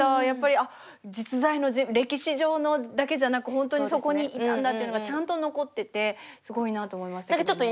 やっぱりあ実在の歴史上のだけじゃなく本当にそこにいたんだっていうのがちゃんと残っててすごいなと思いましたけどね。